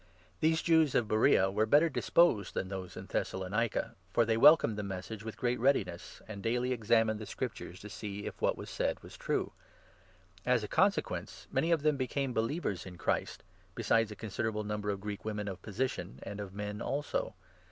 These Jews of Beroea n were better disposed than those in Thessalonica, for they welcomed the Message with great readiness, and daily ex amined the Scriptures to see if what was said was true. As a 12 consequence, many of them became believers in Christ, besides a considerable number of Greek women of position, and of men also.